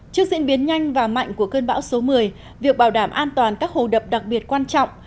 trước diễn biến nhanh và mạnh của cơn bão số một mươi việc bảo đảm an toàn các hồ đập đặc biệt quan trọng